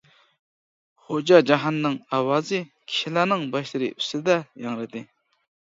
-خوجا جاھاننىڭ ئاۋازى كىشىلەرنىڭ باشلىرى ئۈستىدە ياڭرىدى.